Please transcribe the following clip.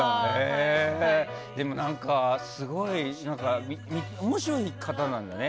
でも何か面白い方なんだね。